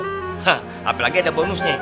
hah apalagi ada bonusnya